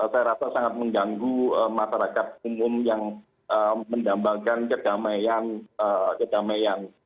saya rasa sangat mengganggu masyarakat umum yang mendambangkan kedamaian